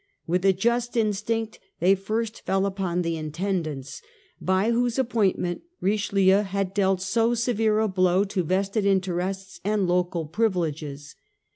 With a just ofSt. Louis. i ns ti nc t they first fell upon the Intendants, by whose appointment Richelieu had dealt so severe a blow to vested interests and local privileges.